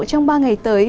trong ba ngày tới